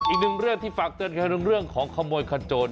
อีกหนึ่งเรื่องที่ฝากเตือนกันเรื่องของขโมยขโจร